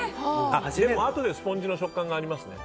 あとでスポンジの食感がありますね。